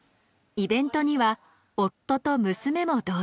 イベントには夫と娘も同席。